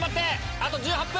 あと１８分。